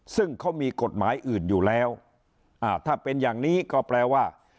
ซึ่งเขามีกฎหมายอื่นอยู่แล้วถ้าเป็นอย่างนี้ก็แปลว่า